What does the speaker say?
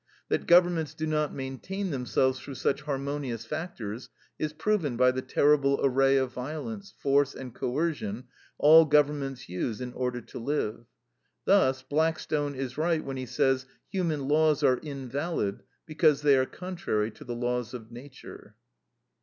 That governments do not maintain themselves through such harmonious factors is proven by the terrible array of violence, force, and coercion all governments use in order to live. Thus Blackstone is right when he says, "Human laws are invalid, because they are contrary to the laws of nature."